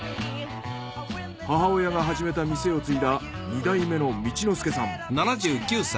母親が始めた店を継いだ２代目の道之助さん。